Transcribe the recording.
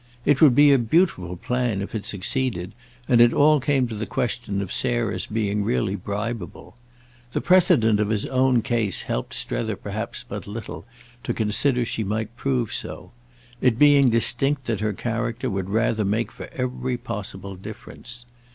It would be a beautiful plan if it succeeded, and it all came to the question of Sarah's being really bribeable. The precedent of his own case helped Strether perhaps but little to consider she might prove so; it being distinct that her character would rather make for every possible difference.